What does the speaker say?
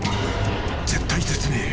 ［絶体絶命！